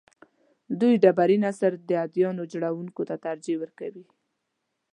دوی ډبرین عصر د اديانو جوړونکو ته ترجیح ورکوي.